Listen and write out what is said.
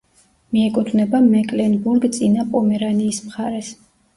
მიეკუთვნება მეკლენბურგ-წინა პომერანიის მხარეს.